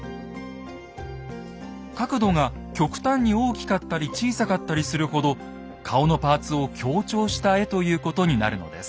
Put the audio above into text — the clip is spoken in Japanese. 角度が極端に大きかったり小さかったりするほど顔のパーツを強調した絵ということになるのです。